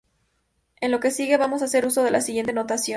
En lo que sigue vamos a hacer uso de la siguiente notación.